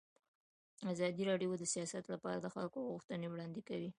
ازادي راډیو د سیاست لپاره د خلکو غوښتنې وړاندې کړي.